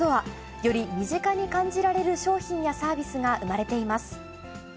より身近に感じられる商品やサービスが生まれています。